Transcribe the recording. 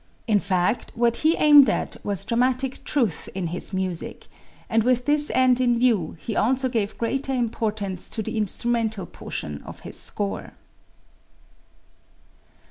In fact, what he aimed at was dramatic truth in his music, and with this end in view he also gave greater importance to the instrumental portion of his score.